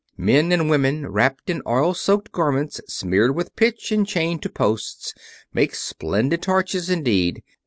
Men and women, wrapped in oil soaked garments smeared with pitch and chained to posts, make splendid torches indeed.